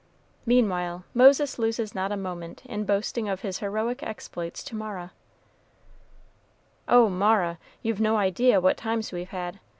Meanwhile Moses loses not a moment in boasting of his heroic exploits to Mara. "Oh, Mara! you've no idea what times we've had!